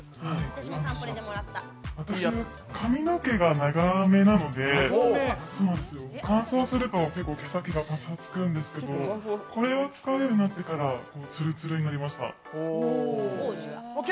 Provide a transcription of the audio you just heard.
私、髪の毛が長めなので、乾燥すると、結構毛先がパサつくんですけど、これを使うようになってからツルツルになりました。